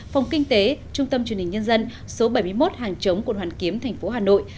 phòng kinh tế trung tâm chuyên hình nhân dân số bảy mươi một hàng chống quận hoàn kiếm tp hà nội